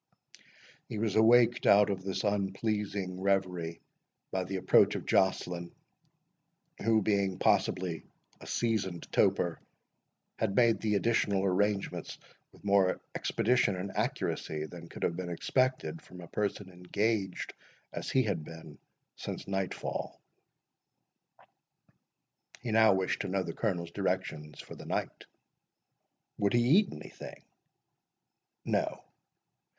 He was waked out of this unpleasing reverie by the approach of Joceline, who, being possibly a seasoned toper, had made the additional arrangements with more expedition and accuracy, than could have been expected from a person engaged as he had been since night fall. He now wished to know the Colonel's directions for the night. "Would he eat anything?" "No."